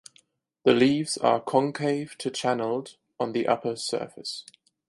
The leaves are concave to channelled on the upper surface.